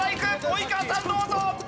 及川さんどうぞ！